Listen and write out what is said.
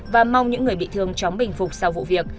và mong những người bị thương chóng bình phục sau vụ việc